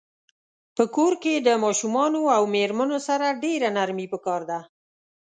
په کور کښی د ماشومانو او میرمنو سره ډیره نرمی پکار ده